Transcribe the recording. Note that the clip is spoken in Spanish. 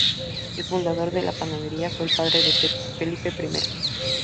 El fundador de la panadería fue el padre de Pepe: Felipe Primero.